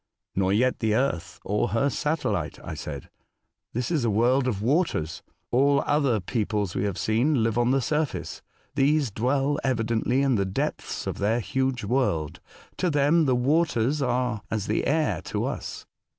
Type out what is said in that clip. *'Nor vet the earth or her satellite," I said. " This is a world of waters. All other peoples we have seen live on the surface. These dwell evidently in the depths of their huge world. To them the waters are as the air to us."